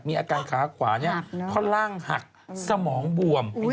มีอาการขาขวานี่ข้อล่างหักสมองบวม